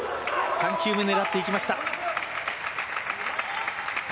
３球目を狙っていきました。